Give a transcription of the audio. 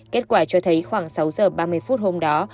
kết quả cho thấy khoảng sáu giờ ba mươi phút hôm đó